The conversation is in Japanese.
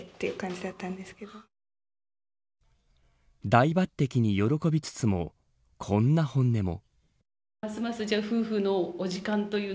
大抜てきに喜びつつもこんな本音も。